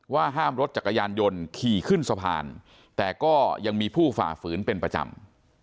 ห้ามรถจักรยานยนต์ขี่ขึ้นสะพานแต่ก็ยังมีผู้ฝ่าฝืนเป็นประจำ